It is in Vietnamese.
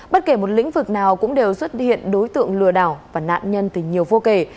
bất kể một lĩnh vực nào cũng đều xuất hiện đối tượng lừa đảo và nạn nhân thì nhiều vô kể